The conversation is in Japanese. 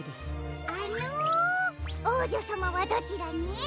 あのおうじょさまはどちらに？